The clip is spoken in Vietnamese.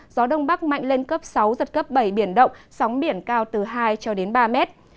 gió đông bắc mạnh lên cấp sáu giật cấp bảy biển động sóng biển cao từ hai cho đến ba mét